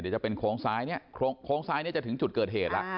จะเป็นโค้งซ้ายโค้งซ้ายจะถึงจุดเกิดเหตุ